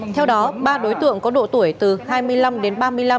theo đó ba đối tượng có độ tuổi từ hai mươi năm đến ba mươi năm